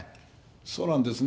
そうなんですね。